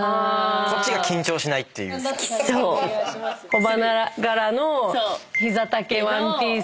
小花柄の膝丈ワンピース。